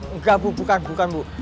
enggak bu bukan bukan bu